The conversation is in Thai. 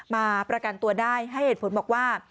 มาประกันตัวได้ให้เหตุผลบอกว่า